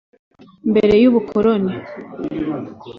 Mbere y’ubukoroni